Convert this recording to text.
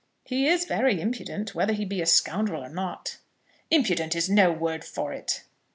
"He is very impudent, whether he be a scoundrel or not." "Impudent is no word for it."